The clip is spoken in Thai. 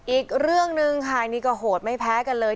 อีกเรื่องหนึ่งค่ะนี่ก็โหดไม่แพ้กันเลย